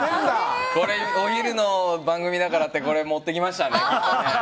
お昼の番組だからってこれ持ってきましたね。